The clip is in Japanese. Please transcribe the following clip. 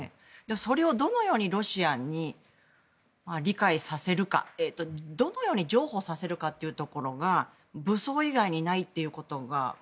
それをどのようにロシアに理解させるかどのように譲歩させるかというところが武装以外にないってことが。